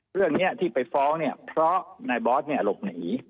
เรื่องนี้ที่ไปฟ้องเนี่ยเพราะนายบอสเนี่ยหลบหนี